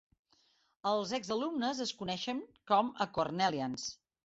Els exalumnes es coneixen com a "Cornellians".